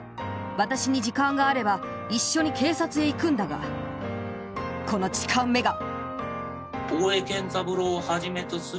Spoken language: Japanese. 私に時間があれば一緒に警察へ行くんだがこの痴漢めが！』」。